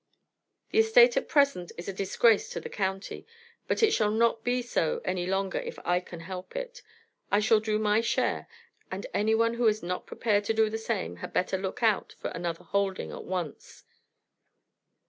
The estate at present is a disgrace to the county, but it shall not be so any longer if I can help it. I shall do my share, and anyone who is not prepared to do the same had better look out for another holding at once."